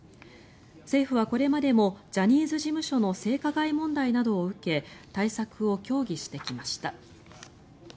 政府はこれまでもジャニーズ事務所の性加害問題などを受け対策を協議してきました。